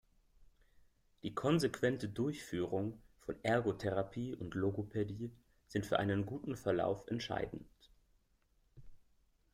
Die konsequente Durchführung von Ergotherapie und Logopädie sind für einen guten Verlauf entscheidend.